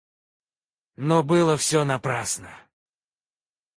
Но было всё напрасно.